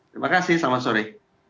terima kasih selamat sore